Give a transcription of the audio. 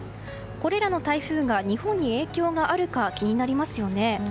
これらの台風が日本に影響があるか気になりますよね。